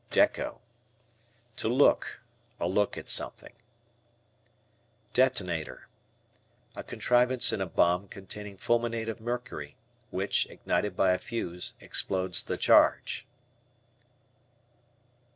"Dekko." To look; a look at something. Detonator. A contrivance in a bomb containing fulminate of mercury, which, ignited by a fuse, explodes the charge.